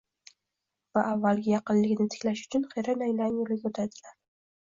va avvalgi yaqinlikni tiklash uchun hiyla-nayrang yo‘liga o‘tadilar.